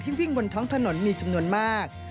วิ่งบนท้องถนนมีจำนวนมาก